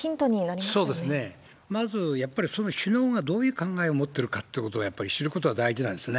まずやっぱり、その首脳がどういう考えを持ってるかということをやっぱり知ることが大事なんですね。